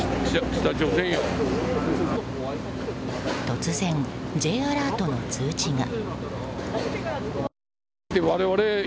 突然、Ｊアラートの通知が。